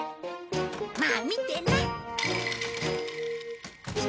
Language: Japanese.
まあ見てな。